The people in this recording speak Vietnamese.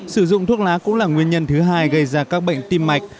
sử dụng thuốc lá cũng là nguyên nhân thứ hai gây ra các bệnh tim mạch